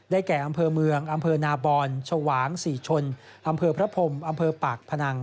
แก่อำเภอเมืองอำเภอนาบอนชวางศรีชนอำเภอพระพรมอำเภอปากพนัง